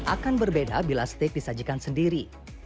akan berbeda bila steak disajikan sendiri